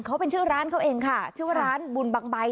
เขาเป็นชื่อร้านเขาเองค่ะชื่อว่าร้านบุญบังใบ